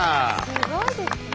すごいですね。